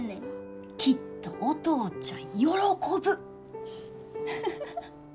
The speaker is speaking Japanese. きっとお父ちゃん喜ぶ。